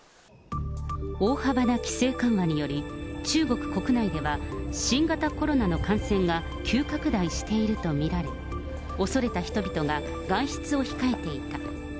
大幅な規制緩和により、中国国内では新型コロナの感染が急拡大していると見られ、恐れた人々が外出を控えていた。